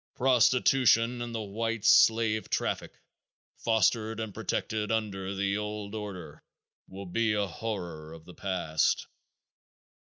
Prostitution and the white slave traffic, fostered and protected under the old order, will be a horror of the past.